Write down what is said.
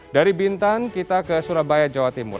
dari bintan kita ke surabaya jawa timur